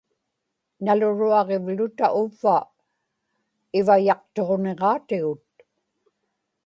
naluruaġivluta uvva ivayaqtuġniġaatigut